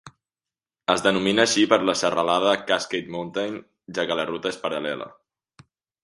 Es denomina així per la serralada Cascade Mountain, ja que la ruta és paral·lela.